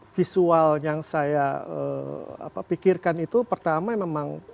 visual yang saya pikirkan itu pertama memang